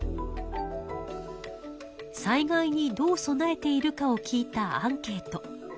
災害にどう備えているかを聞いたアンケート。